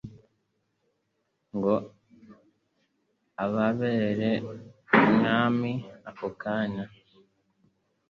ngo ababere Umwami ako kanya.